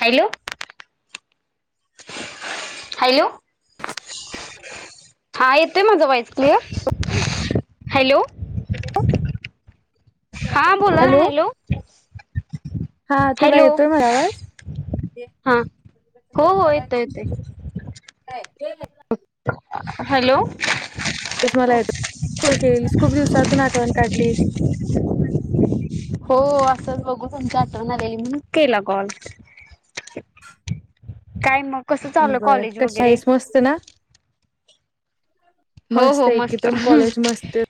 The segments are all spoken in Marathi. हॅलो हॅलो हा येतोय माझा वाॉईस क्लिअर हॅलो [inaudible] हा बोला ना? हॅलो! हा तुला हॅलो येतोय म आवाज? हा हो हो [unintelligible] येतोय येतोय काय ये लागली हॅलो! [unintelligible] खूप दिवसातून आठवण काढलीस [inaudible] हो असंच बघू तुमच्या आठवण आलेली म केला कॉल काय मग? कसं चालू बर कॉलेज कशी वगैरे आहेस. मस्त ना? हो मस्त हो हाय एकदम कॉलेज मस्त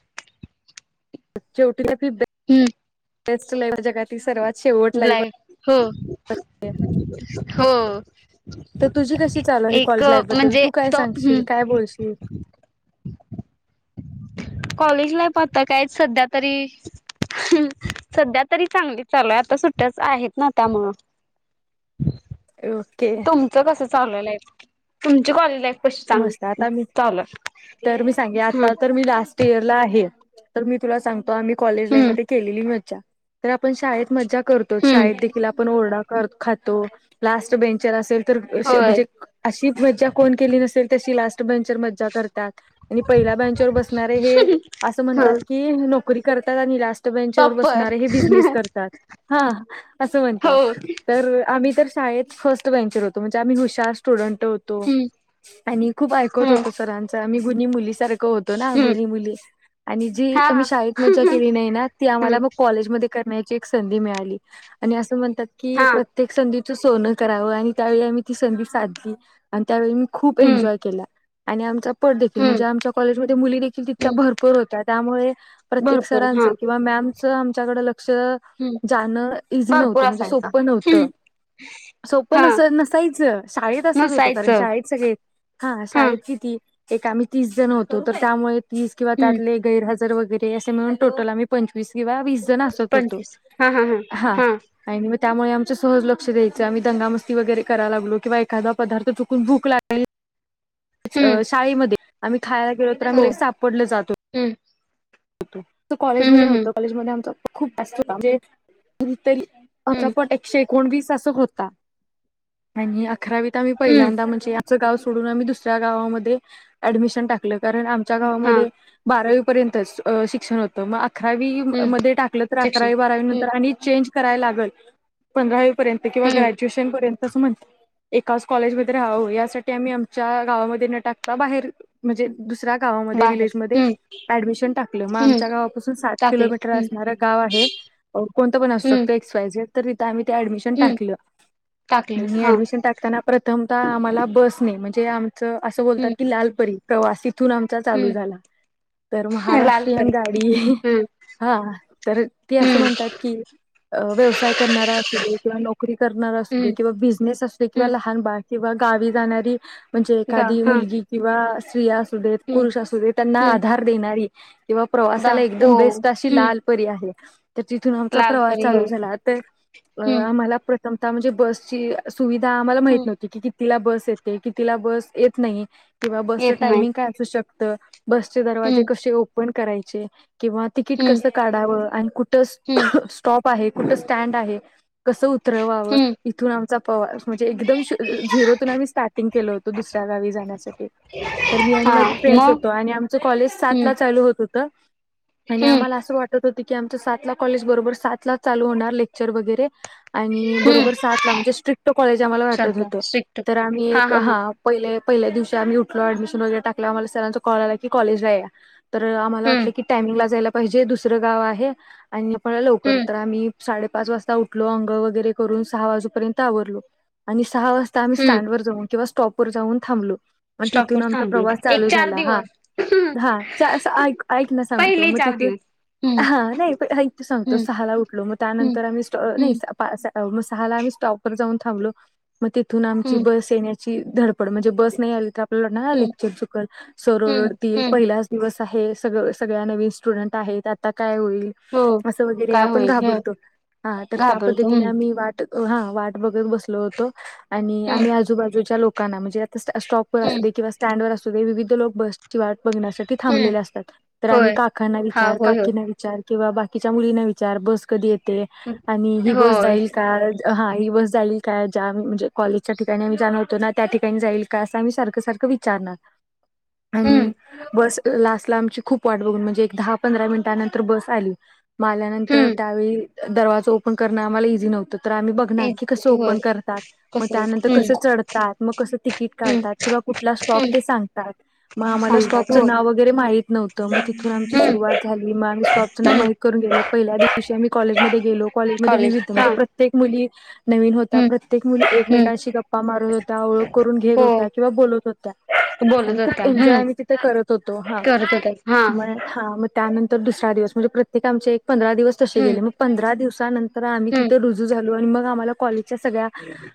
शेवटीला ती हम्म. तेच तुला या जगात ती सर्वात शेवट लाईफ ब्लाय हो असते. - हो तर तुझी कशी चालू आहे एक कॉलेज लाईफ बद्दल? म्हणजे तू काय तो सांगशील? हम्म काय बोलशील? कॉलेज लाईफ आता काय सध्या तरी सध्या तरी चांगली चालूय आता सुट्ट्याच आहेत ना त्यामुळं [inaudible] ओके तुमचं कसं चालू आहे लाईफ? तुमची कॉलेज लाईफ कशी चांग मस्त आता मी चालू आहे? तर मी सांगे हम्म आता तर मी लास्ट इयरला आहे तर मी तुला सांगतो आम्ही कॉलेज लाई हम्म मध्ये केलेली मज्जा. तर आपण शाळेत मजा करतो हम्म शाळेत देखील आपण ओरडा खातो लास्ट बेंचर असेल - - तर अशी होय म्हणजे अशी मज्जा कोण केली नसेल तशी लास्ट - - बेंचर मज्जा करतात आणि पहिल्या बँच वर बसणारे हे अस म्हणतात हं की की नोकरी करतात. आणि लास्ट बेंच वर टॉपर बसणारे हे बिजनेस करतात. हा? अस हो म्हणतात. तर आम्ही तर शाळेत फर्स्ट बेंचर होतो म्हणजे आम्ही हुशार स्टुडंट होतो. हम्म आणि खूप ऐकत हम्म होतो सरांच आम्ही गुनी मुली सारखं होतो ना? हम्म गुणी मुली आणि जी हा आम्ही हा शाळेत मज्जा केली नाही ना ती आम्हाला हम्म मग कॉलेजमध्ये करण्या ची एक संधी मिळाली अस म्हणतात की प्रत्ये हा प्रत्येक संधीचं सोनं करावं. आणि त्यावेळी आम्ही ती संधी साधली. आणि त्यावेळी मी खूप हम्म एन्जॉय केला. आणि आमचा पट देखील हम्म म्हणजे आमच्या कॉलेजमध्ये मुली देखील तितक्या हम्म भरपूर होत्या त्यामुळे प्रत्येक भरपूर हा सरांच किंवा मॅम च आमच्याकड लक्ष हम्म जाणं इझी भरपूर नव्हतं म्हणजे असायचा सोपं हम्म नव्हतं. सोप हा नस - नसायच शाळेत असच होतो कारण नसायचं शाळेत सगळे हा शाळेत किती एक आम्ही तीस जण होतो तर त्यामुळे तीस किंवा हम्म त्यातले गैरहजर वगैरे असे म्हणून टोटल आम्ही पंचवीस किंवा वीस जण असत होतो. हा. आणि मग त्यामुळे आमचं सहज लक्ष द्यायच आम्ही दंगामस्ती वैगरे कराय लागलो किंवा एखादा पदार्थ चूकून भूक लाग अ हम्म शाळेमध्ये आम्ही खायला गेलो तर हो आम्ही सापडलो जात होतो. हम्म. हम्म कॉलेजमध्येध्ये हम्म नव्हत कॉलेज म आमचा खूप जास्त हो म्हणजे हम्म अचापट एकशे एकोणवीस अस होता आणि अकरावीत आम्ही हम्म पहिल्यांदा म्हणजे आचं गाव सोडून आम्ही दुसऱ्या गावामध्ये ऍडमिशन टाकलं कारण. च्या हम्म हा गावामध्ये बारावीपर्यंत शिक्षण होत गं. अकरावी हम्म मध्ये टाकलं तर शिक्षण अकरावी बारावी हम्म नंतर आणि चेंज करायला लागल. पंधरावी पर्यंत किंवा हम्म ग्रॅज्युएशन पर्यंत अस म्हणत. एकाच कॉलेजमध्येध्ये राहावं यासाठी आम्ही आमच्या गावामध्ये न टाकता बाहेर. म्हणजे दुसऱ्या गावामध्ये बाहेर हम्म विलेजमध्येध्ये ऍडमिशन टाक मग हम्म आमच्या गावापासून सात टाकले किलोमीटर हम्म असणारं गाव आहे कोणत पण असू हम्म शकतो एज तर तथं आम्ही ते डमिशन हम्म टाकलं टाकलेलं आणि हा ऍडमिशन टाक त्यांना प्रथमत आम्हाला बसने म्हणजे आमचं असं बोलतात हम्म की लालपरी प्रवासीतून. चालू हम्म झाला तर लाल महाराष्ट्रीयन परी गाडी. हम्म हा तर ते असं हम्म म्हणतात की- अ व्यवसाय करणारा अस दे किंवा नोकरी करणारा अस दे हम्म किंवा बिझनेस असले किंवा हम्म लहान बा किंवा गावी जाणारी म्हणजे गा एखादी हा मुलगी किंवा स्त्रिया हम्म पुरुष असू दे त्यांना हम्म आधार देणारी किंवा दा प्रवासाला हो एकदम बेस्ट अशी हम्म लाल. तथ आम लाल प्रवास परी हो चालू झाला हम्म आम्हाला. कमता म्हणजे बसची सुविधा आम्हाला माहित हम्म नव्हती की किती कितीला बस येते कितीला बस येत नाही किंवा बसच येत नाही टायमिंग काय असू शकतं. बसचे दरवाजे हम्म कसे ओपन करायचे किंवा तिकीट हम्म कसं काढावं आणि कुठं हम्म स्टॉप आहे कुठं स्टँड आहे. कसं उतरवावं. हम्म इथून आमचा प्रवास म्हणजे एकदम झिरोतून आम्ही स्टार्टिंग केलं होतो दुसऱ्या गावी जाण्यासाठी. तर मी आणि हा माझे फ्रेंड्स मग होतो आणि आमचं कॉलेज सात हम्म ला चालू होत होतं आणि हम्म आम्हाला असं वाटत तर तीक्या आमचे सात ला कॉलेज बरोबर सातलाच चालू होणार लेक्चर वैगरे. आणि हम्म बरोबर सात ला म्हणजे स्ट्रिक्ट कॉलेज आम्हाला वाटत चला होतं स्ट्रिक्ट तर आम्ही एक हा. पहिले पहिल्या दिवशी आम्ही उठलो ऍडमिशन वगैरे टाकला मला सरा चा कॉल आला की कॉलेज ला या. तर आम्हाला हम्म वाटलं की टायमिंगला जायला पाहिजे दुसरं गाव आहे आणि आपण लवकर हम्म तर आम्ही साडेपाच वाजता उठलो अंगोळ वगैरे करून सहा वाजूपर्यंत आवरलो आणि सहा वाज आम्ही हम्म स्टँडवर जाऊ किंवा स्टॉप वर जाऊन थांबलो. मग तिथून स्टॉपवर आमचा थांबलो प्रवास एक चालू चार झाला हा दिवस हम्म हा. च्या अस ऐक ऐक ना सांगतो पहिले मग चार तिथून दिवस हम्म हा नाही पण ऐक सांगतो हम्म सहाला उठलो मग हम्म त्यानंतर आम्ही स्ट नाही हम्म म सहाला आम्ही स्टॉपवर जाऊन थांबलो. मग तिथून आमची हम्म बस येण्याची धडपड म्हणजे बस नाही आली तर आपल्याला ना हा हम्म लेक्चर चुकल. सर हम्म ओरडतील हम्म पहिलाच दिवस आहे सगळ सगळ्या नवीन स्टुडंट आहेत आता काय होईल. हो असं वगरे काय आपण होईल घाबरतो हा तर त्या घाबरतो पद्धतीने हम्म आम्ही वाट हा वाट बघत बसल होतो आणि हम्म आम्ही आजूबाजूच्या लोकांना म्हणजे स्टॉप वर हम्म असू दे किंवा स्टँडवर असू दे विविध लोक बसची वाट बघण्यासाठी हम्म, थांबले असतात तर आम्ही होय. काकांना हा, विचार होय, होय. काकीना विचार विचार किंवा बाकीचा मुलीच विचार बस कधी येते हं, आणि ही बस होय. हा ही बस जाईल का ज्या म्हणजे कॉलेजच्या ठिकाणी आम्ही जाणार होतो ना त्या ठिकाणी जाईल का असं आम्ही सारख सारख विचारणार आणि हम्म, बस लास्ट ला आमची खूप वाट बघून म्हणजे एक दहा पंधरा मिनिटानंतर बस आली. म आल्या नंतर हम्म. त्यावेळी दरवाजा ओपन करणं आम्हाला इझी नव्हतं तर आम्ही बघ ना तेच की कस ते, होय. ओपन करतात व कसं त्यानंतर हम्म, कसे चढतात मग कसं तिकीट हम्म, काढतात किंवा कुठला स्टॉप हम्म. ते सांगतात मग आम्हाला सांगतात स्टॉप च होय. नाव वगैरे माहीत न्हवत मग तिथून आमची हम्म, सुरुवात झाली. मी म स्टॉपचं नाव हम्म. माहीत करून गेलं पहिल्या दिवशी आम्ही कॉलेजमध्ये गेलो. कॉलेजमध्ये कॉलेज विविध हा, म्हणजे प्रत्येक मुली नवीन होता हम्म, प्रत्येक मुली हम्म. एकमेकांशी गप्पा गप्पा मारत होत्या ओळख करून घेत हो, होत्या किंवा बोलत होत्या आणि बोलत खूप होत्या. हम्म, एन्जॉय मी तिथे करत होतो. हो हा करत होत्या. हा, म हा त्यानंतर दुसरा दिवस म्हणजे प्रत्येक आमच्या एक पंधरा दिवस तसे हम्म, गेले मग पंधरा दिवसानंतर आम्ही हम्म, तिथे रुजू झालो आणि मग आम्हाला कॉलेज चे सगळ्या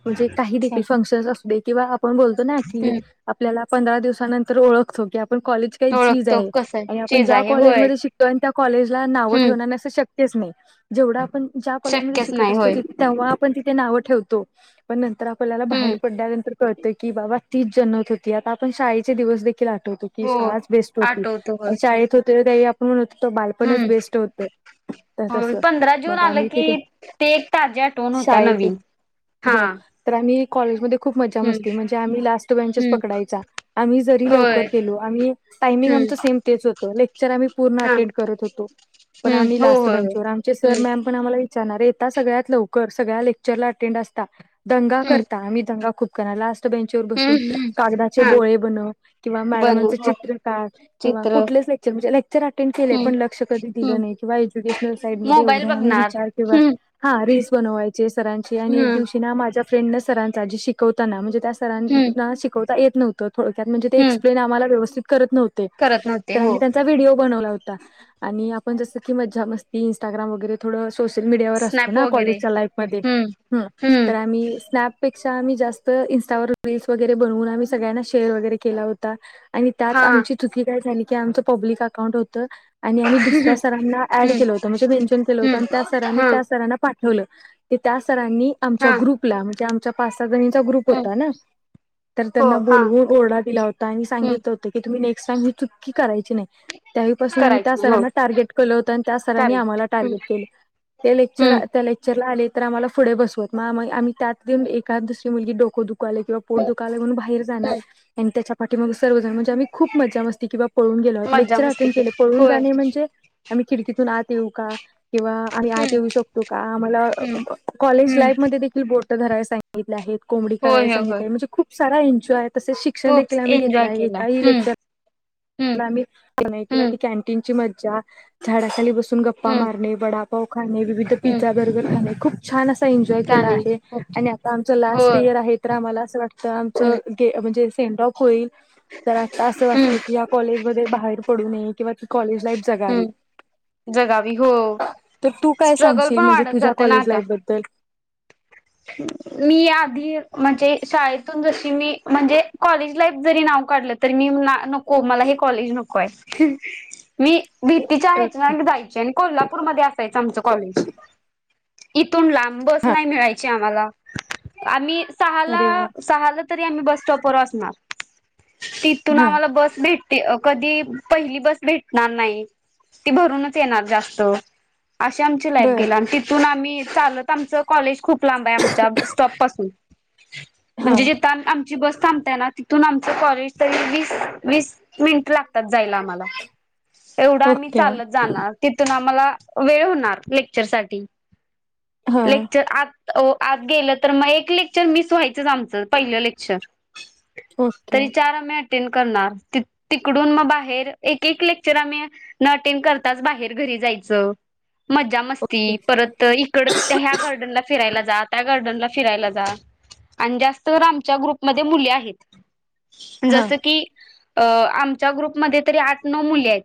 म्हणजे काही दे फंक्शन असुदे किंवा आपण बोलतो ना कि हम्म. आपल्याला पंधरा दिवसानंतर ओळखतो की आपण कॉलेज के झीज ओळखतो आहे कसं आणि आपण चीज ज्या आहे. होय. कॉलेजमध्ये शिकतो आणि त्या कॉलेज ला नाव हम्म, ठेवणं अस शक्य शक्यच नाही जेवढा आपण ज्या कॉलेजमध्ये शक्यच शिकत नाही. असतो होय. की तेव्हा आपण तिथे नाव ठेवतो पण नंतर आपल्याला हम्म, बाहेर पडल्यानंतर कळ कळतं की बाबा तीच जन्मत होती आता आपण शाळेचे दिवस देखील आठवतो की होय. शाळा बेस्ट होती आठवतो होय. शाळेत होते त्या आपण म्हणतो बालपणच बेस्ट होत. हो पंधरा जून आलं तिथे की ते एक ताज्या आठवण होत्या शाळेच नवीन. हा, हो तर आम्ही कॉलेजमध्ये खूप मजा हम्म, मस्ती म्हणजे आम्ही लास्ट बेंचच हम्म. पकडायचा. आम्ही जरी होय. लवकर गेलो आम्ही टायमिंग हम्म. आमच सेम तेच होत. लेक्चर आम्ही पर्ण हा अटेंड करत होतो पण हम्म आम्ही हो लास्ट हो हो बेंचवर आमचे हम्म सर मम पण आम्हाला विचारणार, येता सगळ्यात लवकर सगळ्या लेक्चरला अटेंड असता. दंगा हम्म करता, आम्ही दंगा खूप करायला अस बेंच वर बसून, हम्म हम्म कागदाचे हा बोळे बनव किंवा मॅडमांचं बनव चित्र काढ. किंवा चित्र कुठलच लेक्चर म्हणजे, लेक्चर अटेंड केले हम्म पण लक्ष कधी दिलं हम्म नाही किंवा एज्युकेशनल साईड मध्ये मोबाईल एवढ्या आम्ही, बघणार [unintelligible] हम्म हा रिल्स बनवायचे सरांची आणि एक हम्म दिवशी ना माझ्याच फ्रेंड अ सरांचा, जे शिकवताना म्हणजे त्या हम्म सरांना शिकवता येत नव्हं थोडक्यात म्हणजे ते हम्म एक्सप्लेन आम्हांला व्यवस्थित करत नव्हते, करत नव्हते तर आम्ही हो त्यांचा व्हिडिओ बनवला होता. आणि आपण जसं की मज्जा मस्ती, इंस्टाग्राम वगैरे थोडं सोशल मीडियावर असतो स्नॅप ना वगैरे कॉलेजच्या लाईफमध्ये, हम्म हम्म तर आम्ही स्नॅप पेक्षा आम्ही जास्त इंस्टावर रील्स वगैरे बनवून आम्ही सगळ्यांना शेअर वगैरे केला होता, आणि त्यात हा आमची चुकी काय झाली की आमचं पब्लिक अकाउंट होतं. आणि आम्ही दुसऱ्या सरांना ऍड हम्म केलं होतं म्हणजे मेन्शन केलं होतं हम्म आणि त्या सरांनी हा त्या सरांना पाठ ठेवलं त्या सरांनी आमच्या हा ग्रुपला म्हणजे आमचा पाच साहा जणीचा ग्रुप हम्म होता ना, तर हो त्यांना हा बोलवून ओरडा दिला होता आणि हम्म सांगित [unintelligible] ती की तुम्ही नेक्स्ट टाईम ही चुकी कराची नाही. त्यावेळीपासून आम्ही करायच त्या नाही हो सरांना टार्गेट केलं होतं, आणि त्या सरांनी करेक्ट आम्हाला हम्म टार्गेट केलं. ते लेक्चर, हम्म त्या लेक्चर चरला आले तर आम्हाला पुढे बसवत, मग आम्ही त्यातपण एखादी दुसरी मुलगी डोक दुःखालय किंवा पोट दुःखालय म्हणून बाहेर जाणार, आणि त्याच्या पाठीमाग सर्वजण म्हणजे आम्ही खूप मजा मस्ती किंवा पळून गेलो, मज्जा लेक्चर मस्ती अटेंड केले केली पळून होय जाणे म्हणजे आम्ही खिडकीतून आत येऊ का, किंवा आम्ही आत हम्म येऊ शकतो का, आम्हाला हम्म कॉलेज हम्म लाईफ मध्ये बोटं धरायला सांगितले आहेत, कोंबडी होय करायला होय होय सांगितले आहेत, म्हणजे खूप सारा एन्जॉय तसेच शिक्षण खूप देखील आम्ही घेतलं एन्जॉय आहे केला एकाही हम्म लेक्चर, हम्म ला आम्ही किंवा हम्म [inaudible] कॅन्टीनची मज्जा, झाडाखाली बसून गप्पा हम्म मारणे, वडापाव खाणे, विविध हम्म पिझ्झा बर्गर खाणे, खूप छान अस एनजॉय का केला नाही आहे, खूप आणि आता आमचं हो लास्ट इयर हम्म आहे तर आम्हाला असं वाट तर आमचं गे, म्हणजे सेंड्रॉप होईल तर आता असं हम्म वाटत की कॉलेजमध्ये बाहेर पडू नये किंवा ती कॉलेज लाईफ जगावी. हम्म जगावी हो, तर तू काय स्ट्रगल सांगशील पण म्हणजे वाढत तुझ्या जातं ना कॉलेज आता. लाईफ बद्दल [unintelligible] मी आधी म्हणजे शाळेतून जशी मी, म्हणजे कॉलेज लाईफ जरी नाव काढलं तर मी म्हणार, नको मला हे कॉलेज नकोय. मी भीतीच्या हेचान जायचे आणि कोल्हापूरमध्ये असायचं आमचं कॉलेज. इथून लांब बस हा नाही मिळायची आम्हाला, आम्ही सहाला अरे वा सहाला तरी आम्ही बस स्टॉप वर असणार, तिथून हा आम्हाला बस भेट ती कधी पहिली बस भेटणार नाही, ती भरूनच येणार जास्त. अशी आमची लाईफ बर गेलं आणि ति तून आम्ही चालत आमच कॉलेज खूप लांब आहे, आमच्या स्टॉप पासून हा म्हणजे तान, आमची बस थांबत्या ना तिथून आमचं कॉलेज तरी वीस, वीस मिनट लागतात जायला आम्हाला. एवढं आम्ही ओके चालत जाणार, तिथून आम्हाला वेळ होणार लेक्चर साठी. हा लेक्चर आत ओ आत गेलं तर, मग एक लेक्चर मिस व्हायचंच आमचं, पहिलं लेक्चर. ओके तरी चार आम्ही अटेंड करणार, तिकडून मग बाहेर एक, एक लेक चर आम्ही न अटेंड करताच बाहेर घरी जायचं, मज्जा, मस्ती ओके परत तर इकडं, ह्या गार्डनला फिरायला जा, त्या गार्डनला फिरायला जा. आणि जास्तवर आमच्या ग्रुपमध्ये मुली आहेत. हा जसं की अं, आमच्या ग्रुपमध्ये तरी आठ, नऊ मुली आहेत.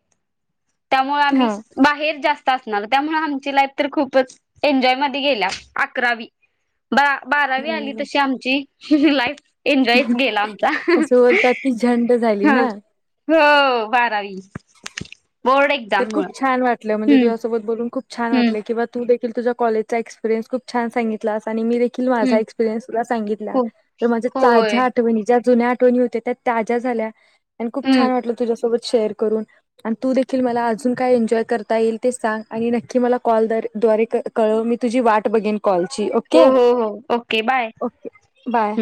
त्यामुळे आम्ही हा बाहेर जास्त असणार, त्यामुळे आमची लाईफ तर खूपच एन्जॉय मध्ये गेल्या, अकरावी. बा, बारावी आली तशी आमची, लाईफ एन्जॉयच गेला आमचा, असं बोलतात की झंड झाली हा. ना हो, बारावी. बोर्ड तर एक्झाम मुळ खूप छान वाटलं म्हणजे हम्म तुझ्यासोबत बोलून खूप छान हम्म वाटलं किं तू देखील तुझ्या कॉलेजचा एक्स्प्रेयन्स खूप छान सांगितला [unintelligible] माझा हम्म एक्स्प्रेयन्स तुला सांगितला तर माझ्या होय ताज्या आठवणी ज्या जुन्या आठवणी होत्या त्या ताज्या झाल्या आणि खूप हम्म छान वाटलं तुझ्यासोबत शेअर करून आणि तू दे देखील मला अजून काय एन्जॉय करता येईल ते सांग आणि नक्की मला कॉल दारे द्वारे कळव, मी तुझी वाट बघेन कॉलची ओके होय, होय, होय, ओके बाय. Okay bye